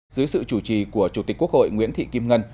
dưới sự chủ trì của chủ tịch quốc hội nguyễn thị kim ngân